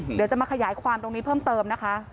เดี๋ยวจะมาขยายความตรงนี้เพิ่มเติมนะคะ